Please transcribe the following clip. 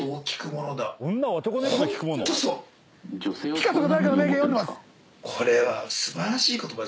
ピカソか誰かの名言読んでます。